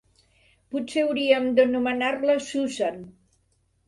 Potser hauríem d'anomenar-la Susan.